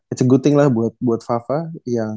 it s a good thing lah buat buat fava yang